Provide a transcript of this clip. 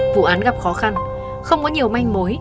vụ án gặp khó khăn không có nhiều manh mối